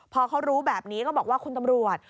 พอเขารู้แบบนี้ก็บอกว่าคุณตำรวจ